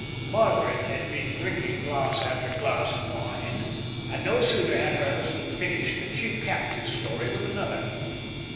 Margaret had been drinking glass after glass of wine, and no sooner had her husband finished than she capped his story with another.